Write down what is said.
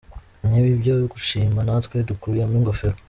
Ni ibyo gushima, natwe dukuyemo ingofero.